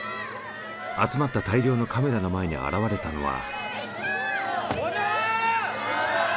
集まった大量のカメラの前に現れたのは。